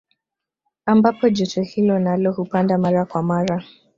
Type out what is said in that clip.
Ambapo joto hili nalo hupanda mara kwa mara